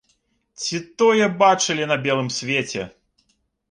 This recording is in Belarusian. Ці тое бачылі на белым свеце!